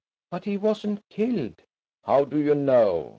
"But he wasn't killed." "How do you know?